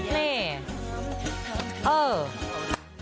นี่